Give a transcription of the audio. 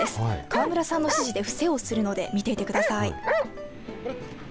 河村さんの指示で伏せをするので見ていてください。